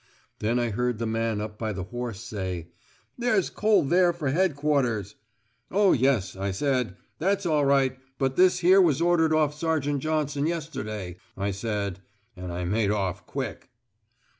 Then I heard the man up by the horse say, 'There's coal there for headquarters.' 'Oh, yes,' I said, 'that's all right, but this here was ordered off Sergeant Johnson yesterday,' I said. And I made off quick."